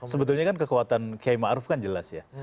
sebetulnya kan kekuatan kay ma'ruf kan jelas ya